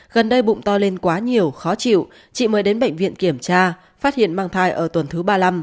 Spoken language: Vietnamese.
gần đây bụng to lên quá nhiều khó chịu chị mới đến bệnh viện kiểm tra phát hiện mang thai ở tuần thứ ba mươi năm